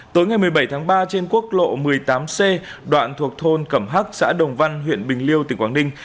tối ngày một mươi bảy tháng ba trên quốc lộ một mươi tám c đoạn thuộc thôn cẩm hắc xã đồng văn huyện bình liêu tỉnh quảng ninh